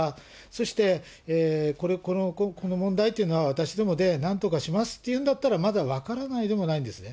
そしてこの問題というのは、私どもでなんとかしますっていうんだったら、まだ分からないでもないんですね。